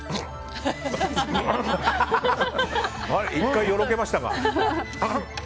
１回、よろけましたが。